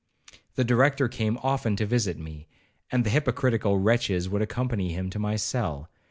The Director came often to visit me, and the hypocritical wretches would accompany him to my cell.